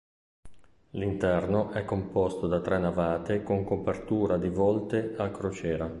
L'interno è composto da tre navate con copertura di volte a crociera.